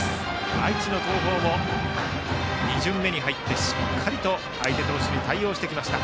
愛知の東邦も２巡目に入ってしっかりと相手投手に対応してきました。